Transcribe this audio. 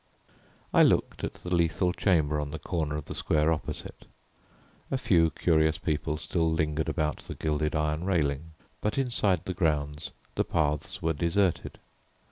I looked at the Lethal Chamber on the corner of the square opposite. A few curious people still lingered about the gilded iron railing, but inside the grounds the paths were deserted.